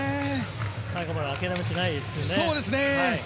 最後まであきらめてないですよね。